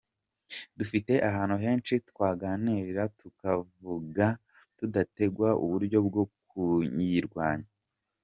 Dufite ahantu henshi twaganiririra tukavuga tudategwa uburyo bwo kuyirwanya.